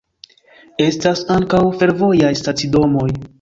Estas ankaŭ fervojaj stacidomoj.